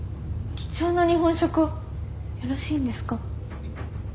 貴重な日本食をよろしいんですか？